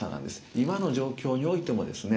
今の状況においてもですね